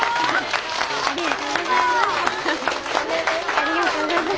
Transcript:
ありがとうございます。